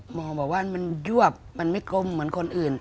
หมอบอกว่ามันยวบมันไม่กลมเหมือนคนอื่น